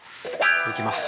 いきます。